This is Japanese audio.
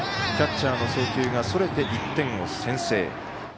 キャッチャーの送球がそれて１点を先制。